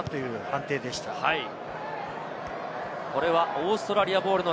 オーストラリアボールです。